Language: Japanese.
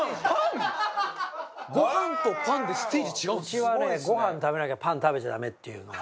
うちはねご飯食べなきゃパン食べちゃダメっていうのが。